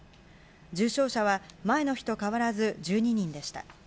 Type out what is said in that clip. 重症者は前の日と変わらず１２人でした。